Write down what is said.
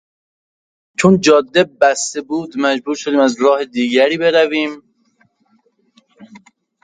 چون جاده بسته بود مجبور شدیم از راه دیگری برویم.